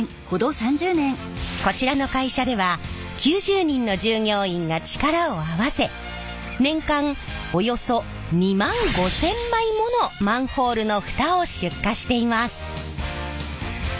こちらの会社では９０人の従業員が力を合わせ年間およそ２万５，０００枚ものマンホールの蓋を出荷しています。